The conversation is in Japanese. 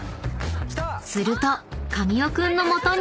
［すると神尾君の元に］